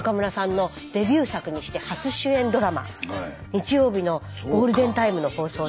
日曜日のゴールデンタイムの放送で。